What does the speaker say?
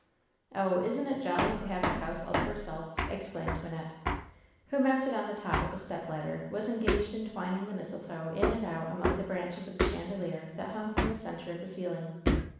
"Oh, isn't it jolly to have the house all to ourselves!" exclaimed Wynnette, who, mounted on the top of a step ladder, was engaged in twining the mistletoe in and out among the branches of the chandelier that hung from the center of the ceiling.